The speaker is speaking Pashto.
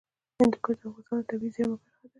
هندوکش د افغانستان د طبیعي زیرمو برخه ده.